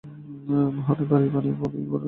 মোহনায় ভারী পলি পড়ার কারণে এখানে জল খুব অগভীর।